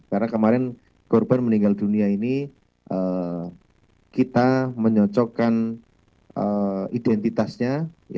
karena kemarin korban meninggal dunia ini kita menyocokkan identitasnya